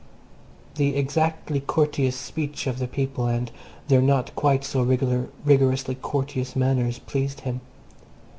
The exactly courteous speech of the people and their not quite so rigorously courteous manners pleased him.